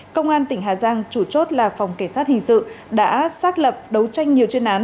công an tỉnh hà giang chủ chốt là phòng kể sát hình sự đã xác lập đấu tranh nhiều chuyên án